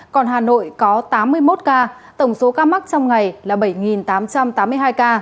còn hà nội có tám mươi một ca tổng số ca mắc trong ngày là bảy tám trăm tám mươi hai ca